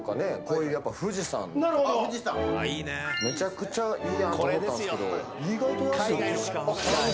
めちゃくちゃいいやんって思ったんですけど。